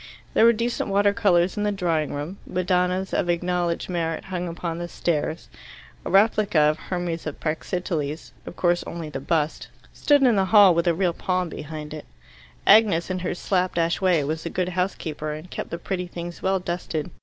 There were decent water colours in the drawing room. Madonnas of acknowledged merit hung upon the stairs. A replica of the Hermes of Praxiteles of course only the bust stood in the hall with a real palm behind it. Agnes, in her slap dash way, was a good housekeeper, and kept the pretty things well dusted.